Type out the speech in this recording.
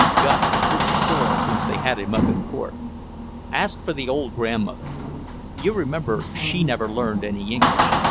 Gus is pretty sore since they had him up in court. Ask for the old grandmother. You remember she never learned any English.